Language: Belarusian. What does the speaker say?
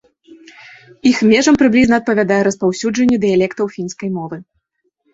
Іх межам прыблізна адпавядае распаўсюджанне дыялектаў фінскай мовы.